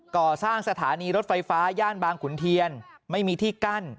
ก่อสร้างสถานีรถไฟฟ้าย่านบางขุนเทียนไม่มีที่กั้น